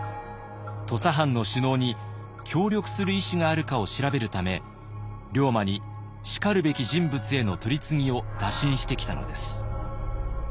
土佐藩の首脳に協力する意思があるかを調べるため龍馬にしかるべき人物への取り次ぎを打診してきたのです。